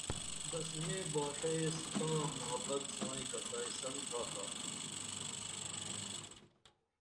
بس مے باݜہ ایس تاں محبت سائیں کڅائیسن تھاتا